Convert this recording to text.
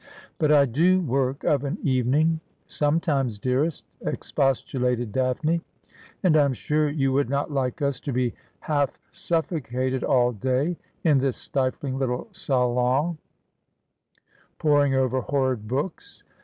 ' But I do work of an evening — sometimes, dearest,' expos tulated Daphne ;' and I'm sure you would not like us to be half suffocated all day in this stifling little salon, poring over horrid books.